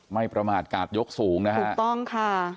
ไม่ประมาทกาศยกสูงนะคะ